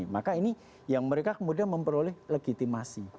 maka ini yang mereka kemudian memperoleh legitimasi